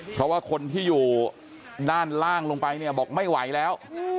เพราะว่าคนที่อยู่ด้านล่างลงไปเนี่ยบอกไม่ไหวแล้ว